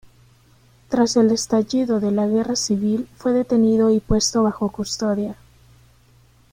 Tras el estallido de la Guerra civil fue detenido y puesto bajo custodia.